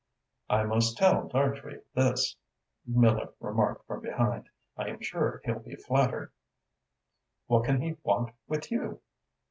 "I must tell Dartrey this," Miller remarked from behind. "I am sure he'll be flattered." "What can he want with you?"